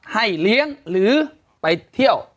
ให้เลี้ยงหรือไปเที่ยว